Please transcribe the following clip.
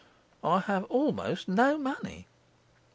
4. I have almost no money.